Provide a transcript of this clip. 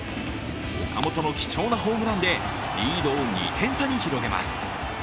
岡本の貴重なホームランでリードを２点差に広げます。